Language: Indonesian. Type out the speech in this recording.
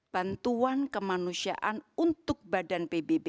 bantuan kemanusiaan untuk badan pbb